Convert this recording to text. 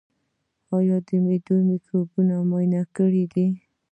ایا د معدې مکروب مو معاینه کړی دی؟